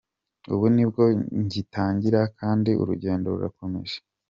Ubu nibwo ngitangira kandi urugendo rurakomeje.